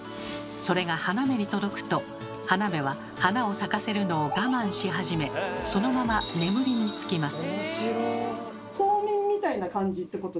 それが花芽に届くと花芽は花を咲かせるのを我慢し始めそのまま眠りにつきます。